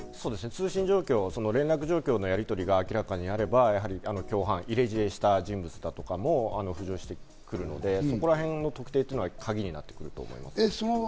通信状況、連絡状況のやりとりが明らかになれば、入れ知恵した人物だとかも浮上してくるので、そこらへんの特定というのがカギになってくると思います。